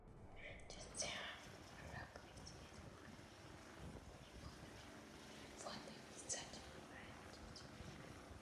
Just then, Araquil is brought in, having been mortally wounded searching for Anita.